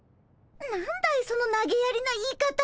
何だいそのなげやりな言い方は。